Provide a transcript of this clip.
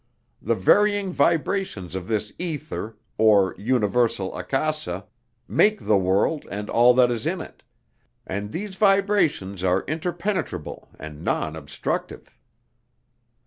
The varying vibrations of this ether, or universal akasa, make the world and all that is in it; and these vibrations are interpenetrable and non obstructive.